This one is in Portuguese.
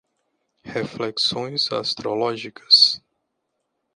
Reflexões astrológicas